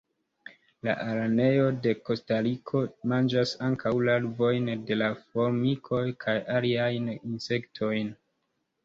La araneoj de Kostariko manĝas ankaŭ larvojn de la formikoj, kaj aliajn insektojn.